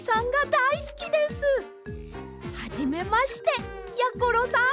はじめましてやころさん。